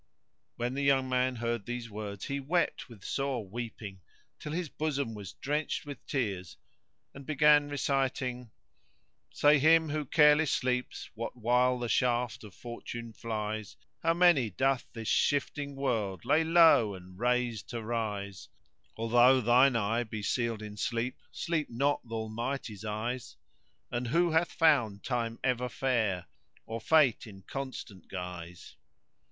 When the young man heard these words he wept with sore weeping;[FN#115] till his bosom was drenched with tears and began reciting— Say him who careless sleeps what while the shaft of Fortune flies * How many cloth this shifting world lay low and raise to rise? Although thine eye be sealed in sleep, sleep not th' Almighty's eyes * And who hath found Time ever fair, or Fate in constant guise?